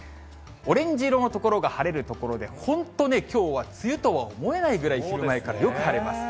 オレンジ色の所が晴れる所で、本当ね、きょうは梅雨とは思えないぐらい、昼前からよく晴れます。